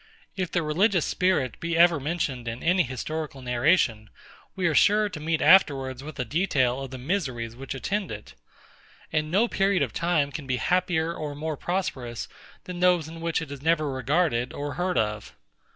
If the religious spirit be ever mentioned in any historical narration, we are sure to meet afterwards with a detail of the miseries which attend it. And no period of time can be happier or more prosperous, than those in which it is never regarded or heard of.